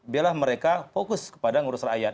biarlah mereka fokus kepada ngurus rakyat